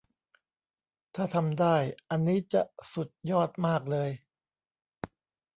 ถ้าทำได้ อันนี้จะสุดยอดมากเลย